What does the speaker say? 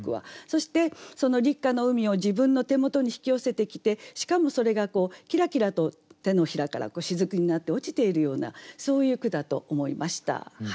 そしてその立夏の海を自分の手元に引き寄せてきてしかもそれがキラキラと掌から雫になって落ちているようなそういう句だと思いました。